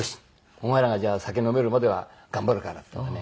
お前らがじゃあ酒飲めるまでは頑張るから」っていうんでね。